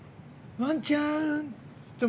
ワンちゃん！って。